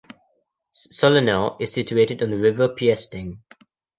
Sollenau is situated on the river Piesting.